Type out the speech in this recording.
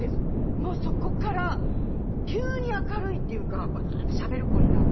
もうそこから急に明るいっていうかバーッてしゃべる子になって。